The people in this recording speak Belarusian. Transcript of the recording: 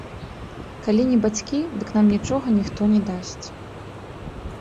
Калі не бацькі, дык нам нічога ніхто не дасць.